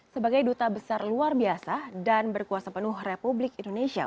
sebagai duta besar luar biasa dan berkuasa penuh republik indonesia